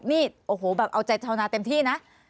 นี่โอ้โหแบบเอาใจชาวนาเต็มที่นะ